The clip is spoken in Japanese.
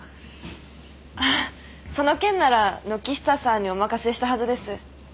あっその件なら軒下さんにお任せしたはずです。